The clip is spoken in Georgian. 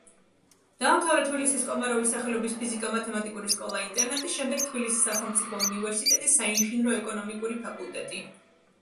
დაამთავრა თბილისის კომაროვის სახელობის ფიზიკა-მათემატიკური სკოლა-ინტერნატი, შემდეგ თბილისის სახელმწიფო უნივერსიტეტის საინჟინრო-ეკონომიკური ფაკულტეტი.